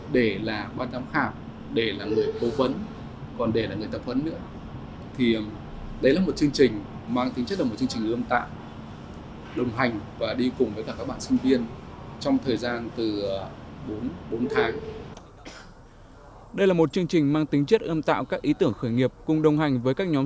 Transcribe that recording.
đây là một chương trình mang tính chất ươm tạo các ý tưởng khởi nghiệp cùng đồng hành với các nhóm